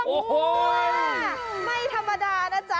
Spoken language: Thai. โอ้โหไม่ธรรมดานะจ๊ะ